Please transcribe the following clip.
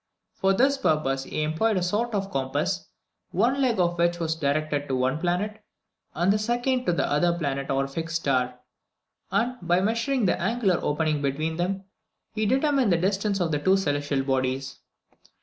For this purpose he employed a sort of compass, one leg of which was directed to one planet and the second to the other planet or fixed star; and, by measuring the angular opening between them, he determined the distance of the two celestial bodies.